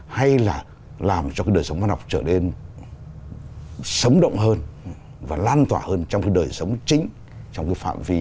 hay là làm cho đời sống văn học trở nên sống động hơn và lan tỏa hơn trong đời sống chính